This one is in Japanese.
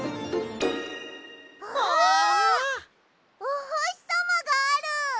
おほしさまがある！